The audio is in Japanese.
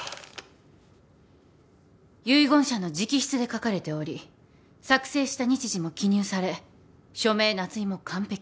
遺言者の直筆で書かれており作成した日時も記入され署名捺印も完璧。